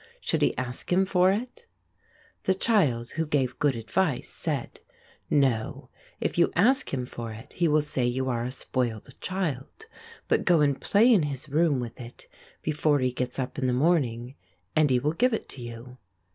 Should he ask him for it? The child who gave good advice said: "No, if you ask him for it he will say you are a spoilt child; but go and play in his room with it before he gets up in the morning, and he will give it to you."